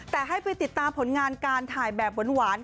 แต่ให้ไปติดตามผลงานการถ่ายแบบหวาน